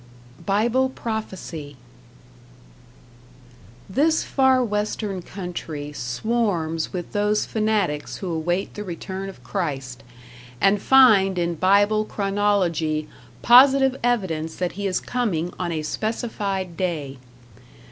Bible Prophecy This far western country swarms with those fanatics who await the return of Christ, and find in Bible chronology positive evidence that he is coming on a specified day.